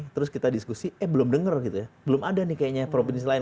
terus kita diskusi eh belum denger gitu ya belum ada nih kayaknya provinsi lain